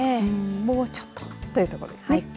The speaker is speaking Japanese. もうちょっとというところですね。